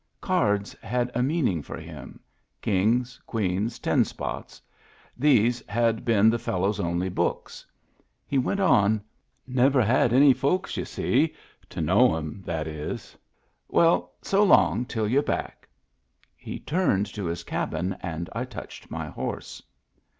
Cards had a meaning for him — kings, queens, ten spots — these had been the fellow's only books 1 He went on, "Never had any folks, y'u see — to know *em, that is. — Well, so long till you're back." He turned to his cabin, and I touched my horse.